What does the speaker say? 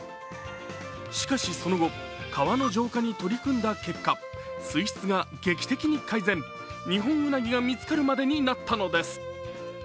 しかしその後、川の浄化に取り組んだ結果、水質が劇的に改善、ニホンウナギが見つかるまでになったのです。